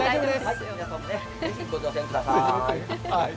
ぜひご乗船ください。